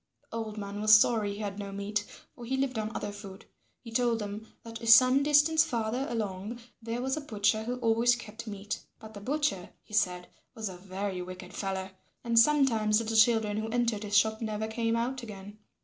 The old man was sorry he had no meat, for he lived on other food. He told them that some distance farther along there was a butcher who always kept meat; but the butcher, he said, was a very wicked fellow and sometimes little children who entered his shop never came out again.